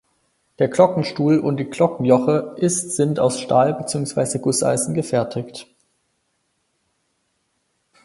Der Glockenstuhl und die Glockenjoche ist sind aus Stahl beziehungsweise Gusseisen gefertigt.